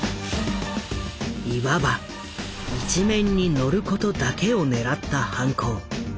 いわば「一面にのること」だけを狙った犯行。